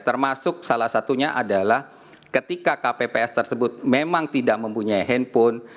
termasuk salah satunya adalah ketika kpps tersebut memang tidak mempunyai handphone